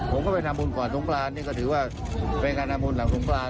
ผมก็เป็นการมูก่อนสงครานนี่ก็ถือว่าเป็นการมูหลังสงคราน